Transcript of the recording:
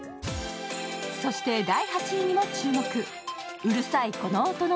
そして第８位にも注目。